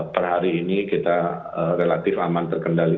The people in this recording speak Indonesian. perhari ini kita relatif aman terkendali